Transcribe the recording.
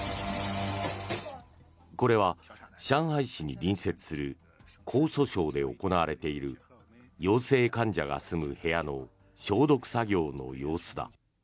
これは、上海市に隣接する江蘇省で行われている陽性患者が住む部屋の消毒作業の様子だ。